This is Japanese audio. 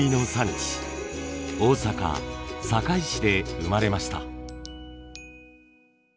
大阪堺市で生まれました。